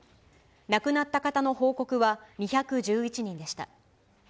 亡くなった方の報告は２１１人でした。